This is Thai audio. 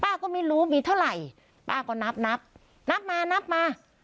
ก็ไม่รู้มีเท่าไหร่ป้าก็นับนับนับมานับมา